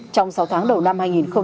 trong sáu tháng đầu năm hai nghìn hai mươi